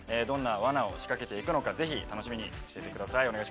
どんなワナを仕掛けて行くのかぜひ楽しみにしていてください。